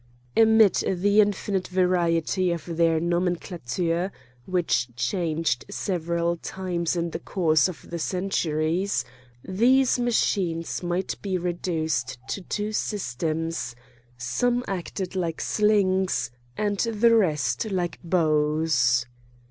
Amid the infinite variety of their nomenclature (which changed several times in the course of the centuries) these machines might be reduced to two systems: some acted like slings, and the rest like bows.